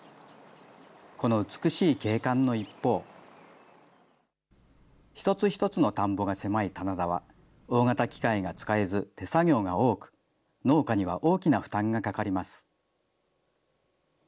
この美しい景観の一方、一つ一つの田んぼが狭い棚田は、大型機械が使えず、手作業が多く、農家には大きな負担がかかります。